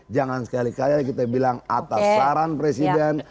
jangan sekali kali kita bilang atas saran presiden